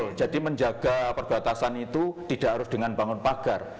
betul jadi menjaga perbatasan itu tidak harus dengan bangun pagar